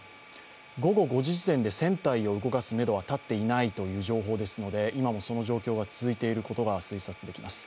午後５時時点で船体を動かすめどは立っていないという情報ですので、今もその状況が続いていることが推察できます。